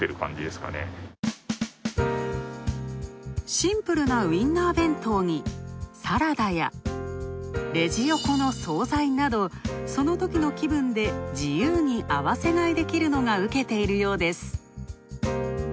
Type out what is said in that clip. シンプルなウインナー弁当にサラダやレジ横の惣菜など、そのときの気分で自由に合わせ買いできるのが受けているようです。